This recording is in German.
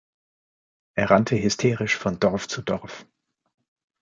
Er rannte hysterisch von Dorf zu Dorf.